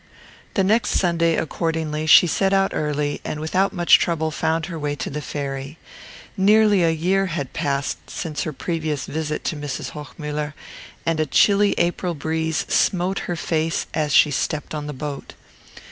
The next Sunday, accordingly, she set out early, and without much trouble found her way to the ferry. Nearly a year had passed since her previous visit to Mrs. Hochmuller, and a chilly April breeze smote her face as she stepped on the boat.